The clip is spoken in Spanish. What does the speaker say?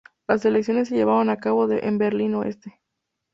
Las elecciones se llevaron a cabo en Berlín Oeste.